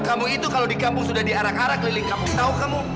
kamu itu kalau di kampung sudah diarak arah keliling kamu tahu kamu